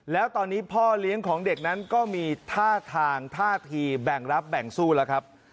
แล้วตอนนี้พ่อเลี้ยงของเด็กนั้นก็มีท่าทางท่าทีแบ่งรับแบ่งสู้แล้วครับ